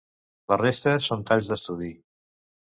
La resta són talls d'estudi.